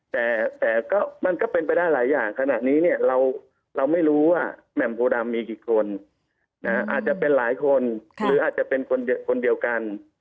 แต่ก็มันก็เป็นไปได้หลายอย่างขนาดนี้เนี่ยเราไม่รู้ว่าแหม่มโพดำมีกี่คนอาจจะเป็นหลายคนหรืออาจจะเป็นคนเดียวกัน